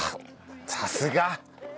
さすが！